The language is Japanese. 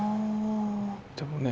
でもね